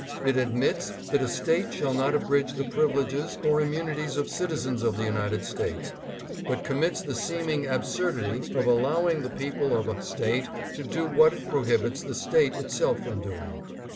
It admits that a State shall not abridge the privileges or immunities of citizens of the United States, but com mits the seeming absurdity of allowing the people of a 666 ADDRESS AT LINCOLN HALL. State to do what it prohibits the State itself from doing.